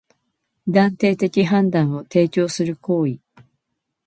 断定的判断を提供する行為